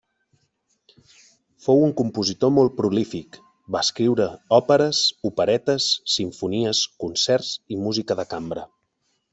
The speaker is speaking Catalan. Fou un compositor molt prolífic, va escriure, òperes, operetes, simfonies, concerts i música de cambra.